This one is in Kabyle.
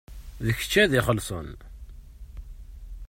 D kečč ad ixellṣen.